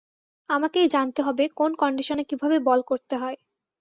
আমাকেই জানতে হবে কোন কন্ডিশনে কীভাবে বল করতে হয়।